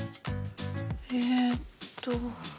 えっと。